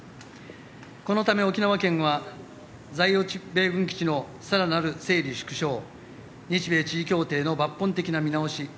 このため、沖縄県は在沖米軍基地の更なる整理・縮小日米地位協定の抜本的な見直し